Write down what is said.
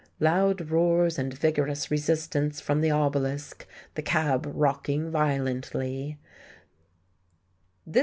(Loud roars and vigorous resistance from the obelisk, the cab rocking violently.)